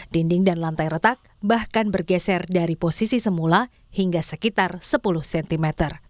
dinding dan lantai retak bahkan bergeser dari posisi semula hingga sekitar sepuluh cm